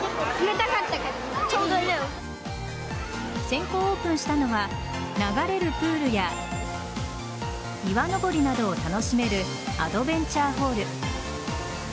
先行オープンしたのは流れるプールや岩登りなどを楽しめるアドベンチャーフォール。